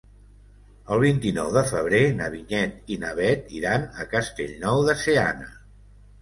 El vint-i-nou de febrer na Vinyet i na Bet iran a Castellnou de Seana.